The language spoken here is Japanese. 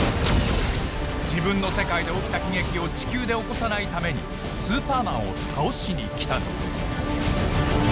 自分の世界で起きた悲劇を地球で起こさないためにスーパーマンを倒しに来たのです。